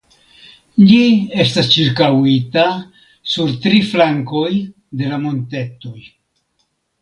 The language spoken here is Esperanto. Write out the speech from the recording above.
Ĝi estas ĉirkaŭita sur tri flankoj de la montetoj.